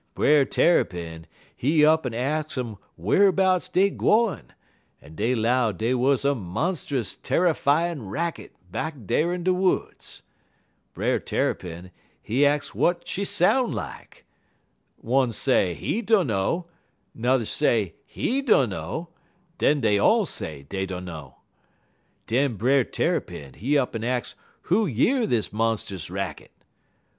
Brer Tarrypin, he up'n ax um wharbouts dey gwine, en dey 'low dey wuz a monst'us tarryfyin' racket back dar in de woods. Brer Tarrypin, he ax w'at she soun' lak. One say he dunno, n'er say he dunno, den dey all say dey dunno. Den Brer Tarrypin, he up'n ax who year dis monst'us racket.